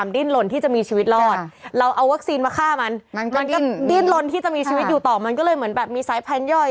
ดิ้นลนที่จะมีชีวิตอยู่ต่อมันก็เลยเหมือนแบบมีสายพันธุ์ย่อย